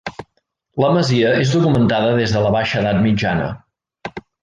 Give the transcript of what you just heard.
La masia és documentada des de la baixa edat mitjana.